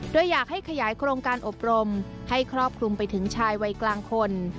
โดยอยากให้ขยายโครงการอบรมให้ครอบคลุมไปถึงชายวัยกลางคน